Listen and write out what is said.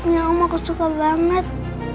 yang om aku suka banget